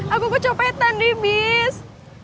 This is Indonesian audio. aku kecopetan dibis